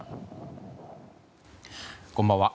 こんばんは。